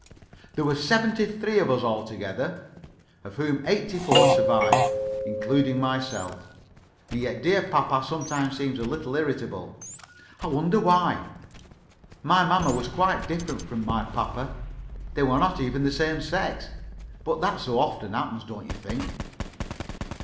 There were seventy three of us all together, of whom eighty four survive, including myself. And yet dear papa sometimes seems a little irritable I wonder why. My mamma was quite different from my papa. They were not even of the same sex. But that so often happens, don't you think?